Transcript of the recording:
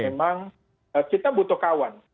memang kita butuh kawan